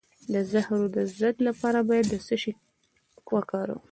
د زهرو د ضد لپاره باید څه شی وکاروم؟